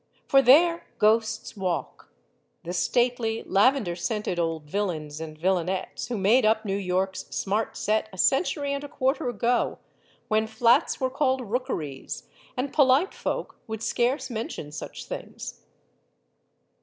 For there ghosts walk the stately, lavender scented old villains and villainettes who made up New York's smart set a century and a quarter ago, when flats were called "rookeries" and polite folk would scarce mention such things.